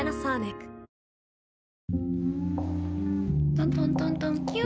トントントントンキュ。